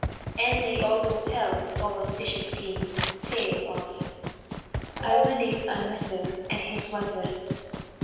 And they also tell, O auspicious King, a tale of AL MALIK AL NASIR AND HIS WAZIR.